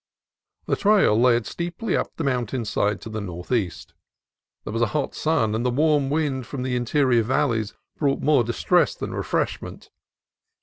The trail led steeply up the mountain side to the northeast. There was a hot sun, and the warm wind from the interior valleys brought more distress than refreshment.